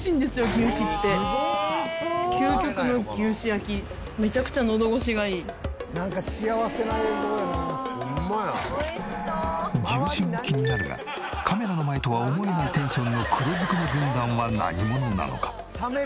牛脂も気になるがカメラの前とは思えないテンションの黒ずくめ軍団は何者なのか？